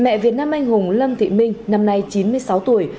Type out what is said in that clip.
mẹ việt nam anh hùng lâm thị minh năm nay chín mươi sáu tuổi